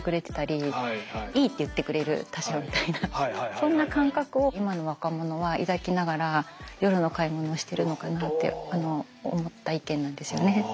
そんな感覚を今の若者は抱きながら夜の買い物をしてるのかなって思った意見なんですよね。